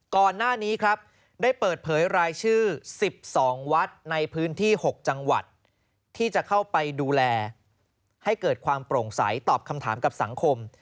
ก่อนหน้านี้ครับได้เปิดเผยรายชื่อ๑๒วัดในพื้นที่๖จังหวัดที่จะเข้าไปดูแลให้เกิดความโปร่งใสตอบคำถามกับสังคม